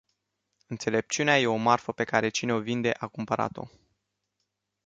Înțelepciunea e o marfă pe care cine o vinde a cumpărat-o.